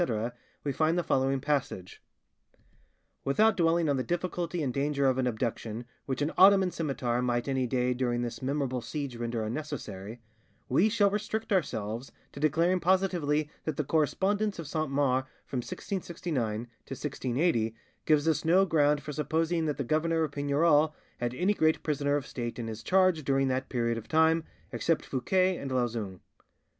', we find the following passage:— "Without dwelling on the difficulty and danger of an abduction, which an Ottoman scimitar might any day during this memorable siege render unnecessary, we shall restrict ourselves to declaring positively that the correspondence of Saint Mars from 1669 to 1680 gives us no ground for supposing that the governor of Pignerol had any great prisoner of state in his charge during that period of time, except Fouquet and Lauzun.